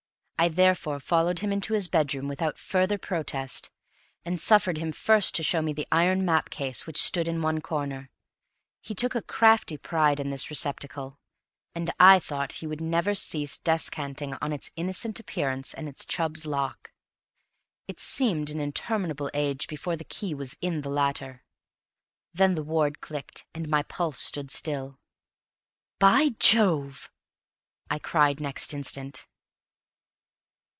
I therefore followed him into his bedroom without further protest, and suffered him first to show me the iron map case which stood in one corner; he took a crafty pride in this receptacle, and I thought he would never cease descanting on its innocent appearance and its Chubb's lock. It seemed an interminable age before the key was in the latter. Then the ward clicked, and my pulse stood still. "By Jove!" I cried next instant.